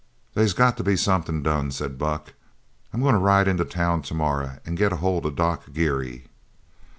"They's got to be somethin' done," said Buck. "I'm goin' to ride into town tomorrow an' get ahold of Doc Geary."